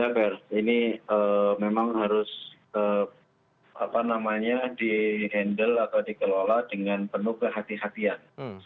ya ini memang harus di handle atau dikelola dengan penuh kehatian kehatian